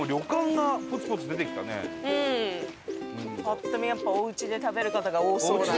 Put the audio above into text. パッと見やっぱおうちで食べる方が多そうな。